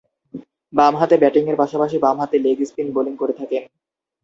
বামহাতে ব্যাটিংয়ের পাশাপাশি বামহাতে লেগ স্পিন বোলিং করে থাকেন।